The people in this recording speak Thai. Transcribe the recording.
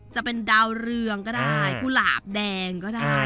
จะเป็นดาวเรืองจะเป็นกุหลาบแดง